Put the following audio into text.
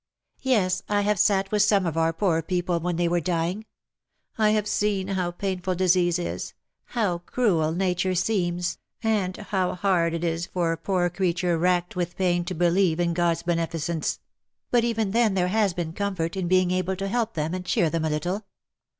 '^ Yes, I have sat with some of our poor people when they were dying. I have seen how painful disease is, how cruel Nature seems, and how hard it is for a poor creature racked with pain to believe in God's beneficence ; but even then there has been comfort in being able to help them and cheer them a little.